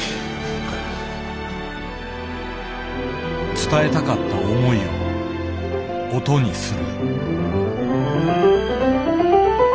伝えたかった思いを音にする。